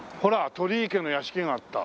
「鳥居家の屋敷があった。